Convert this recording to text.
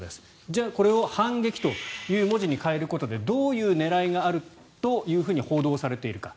じゃあ、これを反撃という文字に変えることでどういう狙いがあるというふうに報道されているか。